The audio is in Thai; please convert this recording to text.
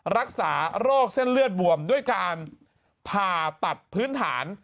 รักษาโรคเส้นเลือดบวมด้วยการผ่าตัดพื้นฐาน